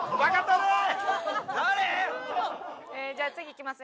じゃあ次いきますね。